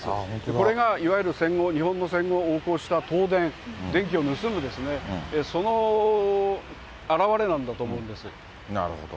これがいわゆる、戦後、日本の戦後横行した盗電、電気を盗むですね、その表れなんだと思なるほど。